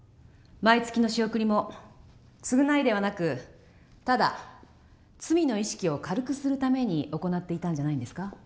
毎月の仕送りも償いではなくただ罪の意識を軽くするために行っていたんじゃないんですか？